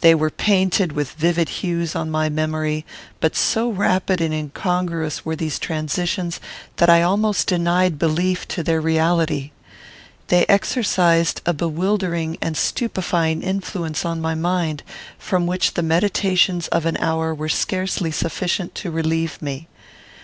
They were painted with vivid hues on my memory; but so rapid and incongruous were these transitions, that I almost denied belief to their reality. They exercised a bewildering and stupefying influence on my mind, from which the meditations of an hour were scarcely sufficient to relieve me.